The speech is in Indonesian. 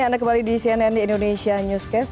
ya anda kembali di cnn indonesia newscast